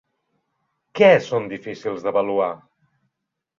Què són difícils d'avaluar?